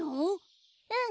うん。